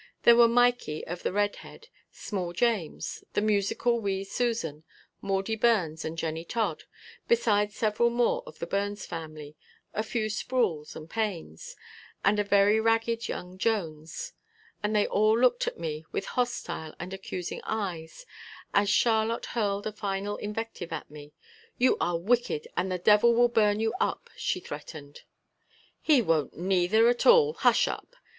There were Mikey of the red head, small James, the musical wee Susan, Maudie Burns and Jennie Todd, besides several more of the Burns family, a few Sprouls and Paynes and a very ragged young Jones, and they all looked at me with hostile and accusing eyes as Charlotte hurled a final invective at me. "You are wicked and the devil will burn you up," she threatened. "He won't neither, at all. Hush up!"